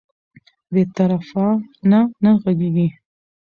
بې طرفانه نه غږیږي